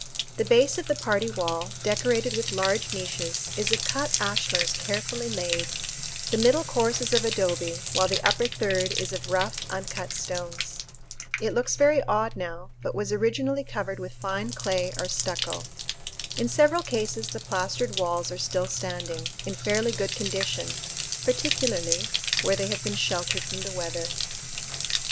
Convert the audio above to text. The base of the party wall, decorated with large niches, is of cut ashlars carefully laid; the middle course is of adobe, while the upper third is of rough, uncut stones. It looks very odd now but was originally covered with fine clay or stucco. In several cases the plastered walls are still standing, in fairly good condition, particularly where they have been sheltered from the weather.